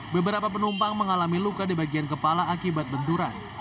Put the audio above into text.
beberapa penumpang mengalami luka di bagian kepala akibat benturan